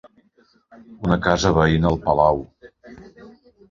Una casa veïna al palau.